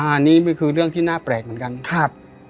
อันนี้คือเรื่องที่น่าแปลกเหมือนกันครับ